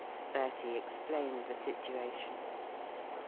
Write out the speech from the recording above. Bertie explained the situation.